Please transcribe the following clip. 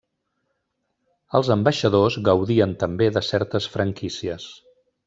Els ambaixadors gaudien també de certes franquícies.